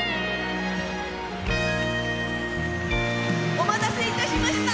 お待たせしました。